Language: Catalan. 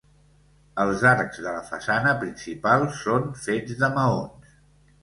Els arcs de la façana principal són fets de maons.